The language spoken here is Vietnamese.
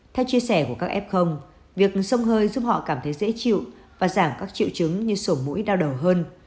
theo chia sẻ của các f việc sông hơi giúp họ cảm thấy dễ chịu và giảm các triệu chứng như sổ mũi đau đầu hơn